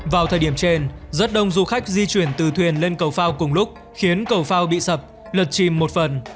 vào thời điểm trên rất đông du khách di chuyển từ thuyền lên cầu phao cùng lúc khiến cầu phao bị sập lật chìm một phần